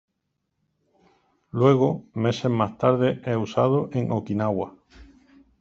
Luego, meses más tarde es usado en Okinawa.